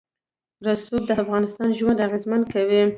رسوب د افغانانو ژوند اغېزمن کوي.